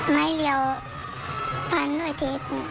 ไม่เรียวพันเทพ